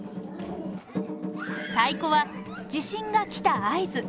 太鼓は地震が来た合図。